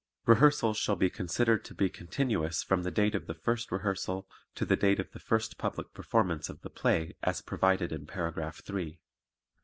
Rehearsals shall be considered to be continuous from the date of the first rehearsal to the date of the first public performance of the play as provided in paragraph three.